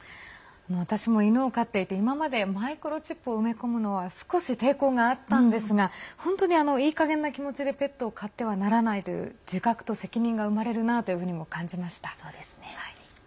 私も犬を飼っていて、今までマイクロチップを埋め込むのは少し抵抗があったんですが本当にいいかげんな気持ちでペットを飼ってはならないという自覚と責任が生まれるなというふうにも感じました。